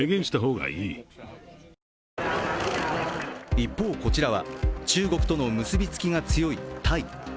一方、こちらは中国との結び付きが強いタイ。